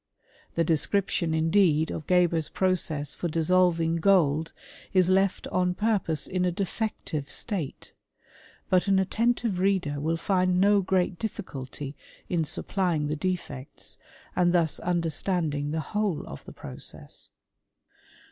The description, indeed, of Geber's process for dissolving gold is left on purpose in a defective state ; but an attentive reader will find no great difficulty in supplying the defects, and thus understanding the whole of the process.